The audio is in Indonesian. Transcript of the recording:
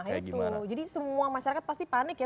nah itu jadi semua masyarakat pasti panik ya